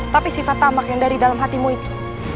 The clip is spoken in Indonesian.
tapi sifat tamak yang dari dalam hatimu itu